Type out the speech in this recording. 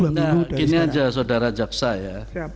nah gini aja saudara jaksa ya